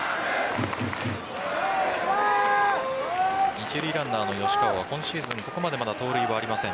一塁ランナーの吉川は今シーズンここまでまだ盗塁はありません。